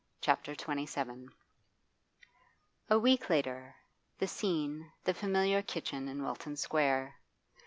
CHAPTER XXVII A week later; the scene, the familiar kitchen in Wilton Square.